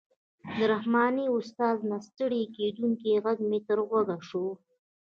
د رحماني استاد نه ستړی کېدونکی غږ مې تر غوږ شو.